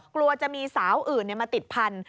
กลัวจะมีสาวอื่นมาติดพันธุ